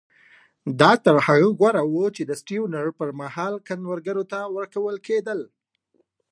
دا تر هغه غوره وو چې د سټیونز پر مهال کروندګرو ته ورکول کېدل.